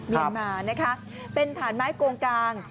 เมียนมานะคะเป็นฐานไม้โกงกลาง